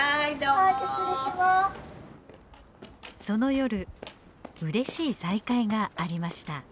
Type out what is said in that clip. その夜うれしい再会がありました。